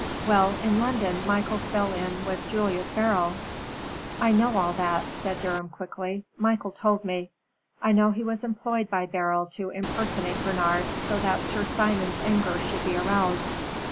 Well, in London Michael fell in with Julius Beryl " "I know all that," said Durham, quickly. "Michael told me. I know he was employed by Beryl to impersonate Bernard so that Sir Simon's anger should be aroused."